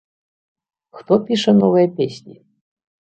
Хто піша новыя песні?